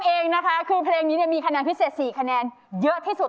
พี่อ้อมเองนะคะคือเพลงนี้มีคะแนนพิเศษ๔คะแนนเยอะที่สุด